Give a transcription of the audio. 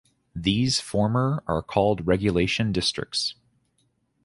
These former are called regulation districts.